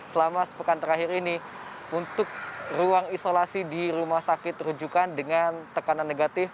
selama sepekan terakhir ini untuk ruang isolasi di rumah sakit rujukan dengan tekanan negatif